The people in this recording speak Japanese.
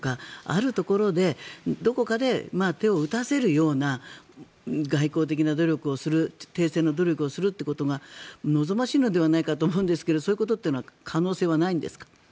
あるところでどこかで手を打たせるような外交的な努力をする停戦の努力をすることが望ましいのではないかと思うんですがそういうことというのは可能性はないんですか。